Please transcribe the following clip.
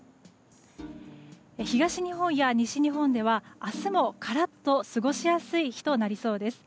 東日本や西日本では明日もカラッと過ごしやすい日となりそうです。